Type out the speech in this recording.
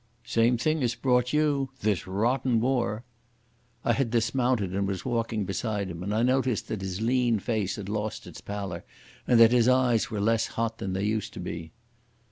"Same thing as brought you. This rotten war." I had dismounted and was walking beside him, and I noticed that his lean face had lost its pallor and that his eyes were less hot than they used to be.